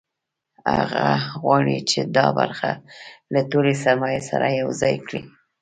هغه غواړي چې دا برخه له ټولې سرمایې سره یوځای کړي